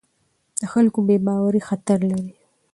د خلکو بې باوري خطر لري